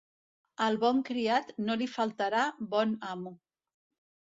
Al bon criat no li faltarà bon amo.